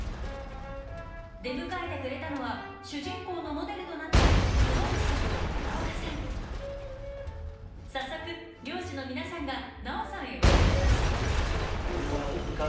出迎えてくれたのは主人公のモデルとなった早速漁師の皆さんが奈緒さんへおもてなしこれは。